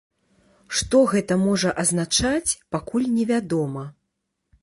Што гэта можа азначаць, пакуль невядома.